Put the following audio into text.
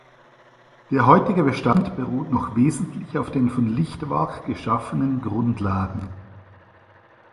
Der heutige Bestand beruht noch wesentlich auf den von Lichtwark geschaffenen Grundlagen.